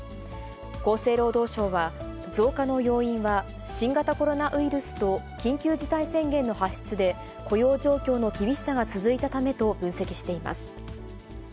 厚生労働省は、増加の要因は、新型コロナウイルスと緊急事態宣言の発出で、雇用状況の厳しさが続いたためと分析しています。